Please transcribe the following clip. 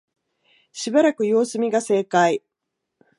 しばらく様子見が正解